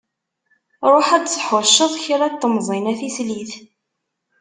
Ruḥ ad d-tḥuceḍ kra n temẓin a tislit.